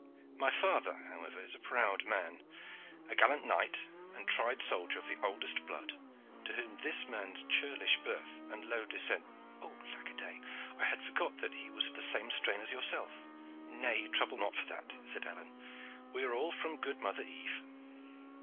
My father, however, is a proud man, a gallant knight and tried soldier of the oldest blood, to whom this man's churlish birth and low descent Oh, lackaday! I had forgot that he was of the same strain as yourself." "Nay, trouble not for that," said Alleyne, "we are all from good mother Eve."